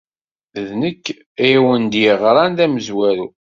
D nekk ay awent-d-yeɣran d amezwaru.